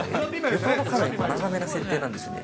横幅はかなり長めの設定なんですね。